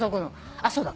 あっそうだ。